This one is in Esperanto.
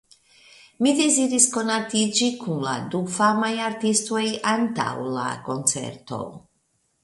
Mi deziris konatiĝi kun la du famaj artistoj antaŭ la koncerto.